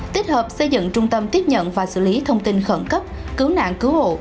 tích hợp xây dựng trung tâm tiếp nhận và xử lý thông tin khẩn cấp cứu nạn cứu hộ